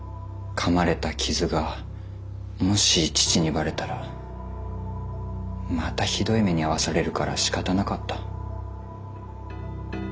かまれた傷がもし父にバレたらまたひどい目に遭わされるからしかたなかった。